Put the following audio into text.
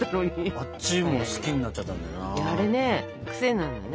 あっちも好きになっちゃったんだよな。